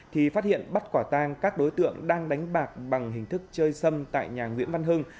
thì phát hiện bắt quả tang các đối tượng đang đánh bạc bằng hình thức chơi sâm tại nhà nguyễn văn hưng